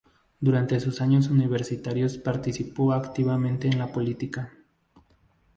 Durante sus años universitarios participó activamente en política.